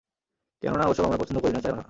কেননা ওসব আমরা পছন্দ করি না, চাইও না।